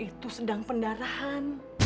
itu sedang pendarahan